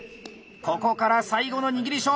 ここから最後の握り勝負！